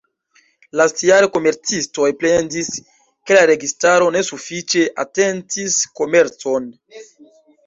Lastjare komercistoj plendis, ke la registaro ne sufiĉe atentis komercon.